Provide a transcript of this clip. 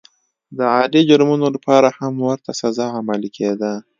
د عادي جرمونو لپاره هم ورته سزا عملي کېده.